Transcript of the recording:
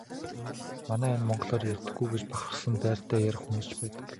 Манай энэ монголоор ярьдаггүй гэж бахархсан байртай ярих хүмүүс ч байдаг.